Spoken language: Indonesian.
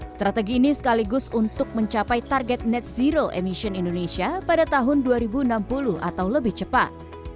strategi ini sekaligus untuk mencapai target net zero emission indonesia pada tahun dua ribu enam puluh atau lebih cepat